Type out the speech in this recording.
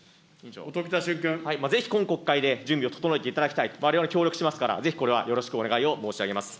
ぜひ今国会で準備を整えていただきたい、われわれ協力しますから、ぜひこれはよろしくお願いを申し上げます。